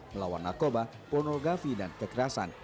melawan narkoba pornografi dan kekerasan